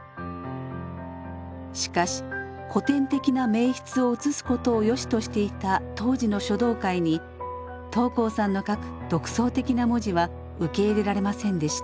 しかし古典的な名筆を写すことをよしとしていた当時の書道界に桃紅さんの書く独創的な文字は受け入れられませんでした。